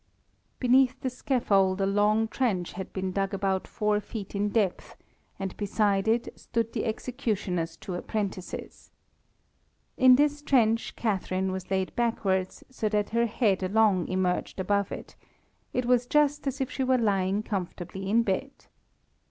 Beneath the scaffold a long trench had been dug about four feet in depth, and beside it stood the executioner's two apprentices. In this trench Catharine was laid backwards, so that her head alone emerged above it; it was just as if she were lying comfortably in bed.